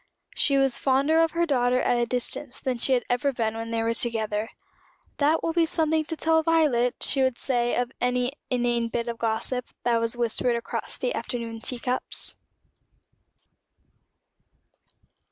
She was fonder of her daughter at a distance than she had ever been when they were together. "That will be something to tell Violet," she would say of any inane bit of gossip that was whispered across the afternoon tea cups.